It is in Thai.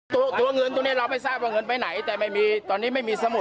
ตัวเงินตัวนี้เราไม่ทราบว่าเงินไปไหนแต่ไม่มีตอนนี้ไม่มีสมุด